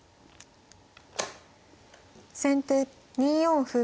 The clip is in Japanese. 先手２四歩。